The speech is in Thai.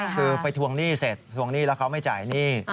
คือไปทวงหนี้เสร็จทวงหนี้แล้วเขาไม่จ่ายหนี้